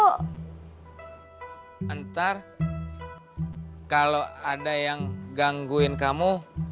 ntar kalau ada yang gangguin kamu